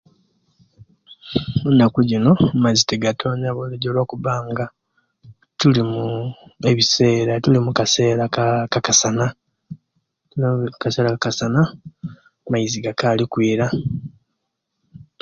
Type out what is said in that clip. Enaku jino amaizi tegatonya bulijo lwakubanga tuli muu ebisera tuli omukisera akaa aka'kasana kasana kasana amaizi gakali okwiila